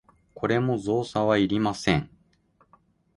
これも造作はいりません。